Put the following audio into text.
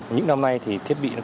những năm nay thì thiết bị nó cao